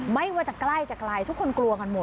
ไม่ว่าจะใกล้จะไกลทุกคนกลัวกันหมด